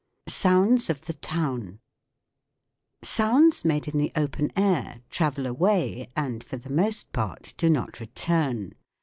SOUNDS T H F E TOWN \f '4 SOUNDS made in the open air travel away, and, for the most part, do not return.